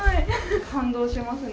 感動しますね。